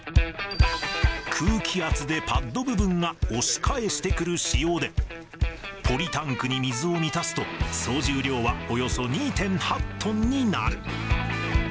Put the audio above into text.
空気圧でパッド部分が押し返してくる仕様で、ポリタンクに水を満たすと、総重量はおよそ２．８トンになる。